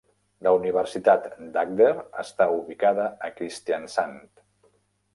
La Universitat d'Agder està ubicada a Kristiansand.